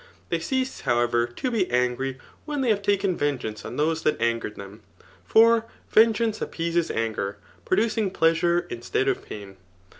} They cease, however, to be angry when they have taken vengeance oh those that angered them ; for v^geance appeases anger, producing pleasure mstead of pain.